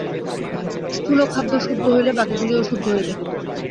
স্থূল খাদ্য শুদ্ধ হইলে বাকীগুলিও শুদ্ধ হইবে।